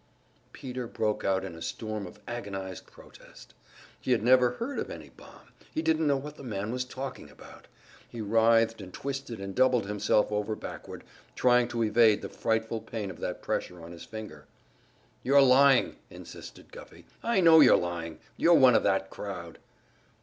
Peter broke out in a storm of agonized protest; he had never heard of any bomb, he didn't know what the man was talking about; he writhed and twisted and doubled himself over backward, trying to evade the frightful pain of that pressure on his finger. "You're lying!" insisted Guffey. "I know you're lying. You're one of that crowd."